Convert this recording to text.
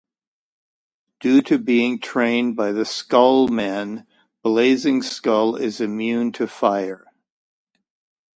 Due to being trained by the Skull Men, Blazing Skull is immune to fire.